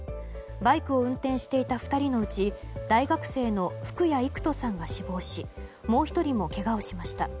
バイクを運転していた２人のうち大学生の福谷郁登さんが死亡しもう１人も、けがをしました。